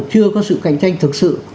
chưa có sự cạnh tranh thực sự